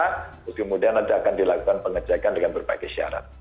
lalu kemudian akan dilakukan dengan berbagai syarat